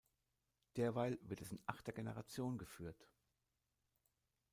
Derweil wird es in achter Generation geführt.